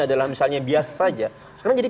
adalah misalnya biasa saja sekarang jadi